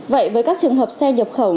vậy với các trường hợp xe nhập khẩu